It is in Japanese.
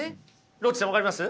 ロッチさん分かります？